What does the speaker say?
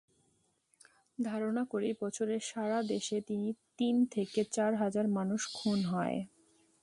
ধারণা করি, বছরে সারা দেশে তিন থেকে চার হাজার মানুষ খুন হয়।